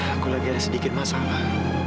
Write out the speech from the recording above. aku lagi ada sedikit masalah